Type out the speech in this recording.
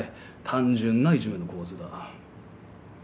単純ないじめの構図だ。